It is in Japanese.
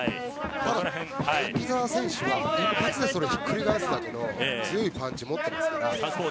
ただ、瀧澤選手は一発でそれをひっくり返すだけの強いパンチを持っていますから。